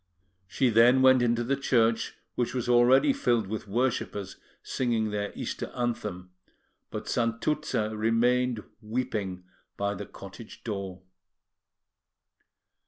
She then went into the church, which was already filled with worshippers singing their Easter anthem; but Santuzza remained weeping by the cottage door.